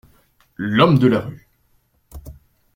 “l’homme de la rue”.